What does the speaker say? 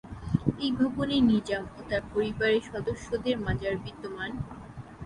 এই ভবনে নিজাম ও তার পরিবারের সদস্যদের মাজার বিদ্যমান।